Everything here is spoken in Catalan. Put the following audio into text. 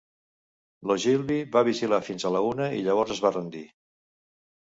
L'Ogilvy va vigilar fins a la una i llavors es va rendir.